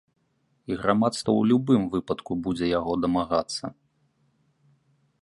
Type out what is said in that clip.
І грамадства ў любым выпадку будзе яго дамагацца.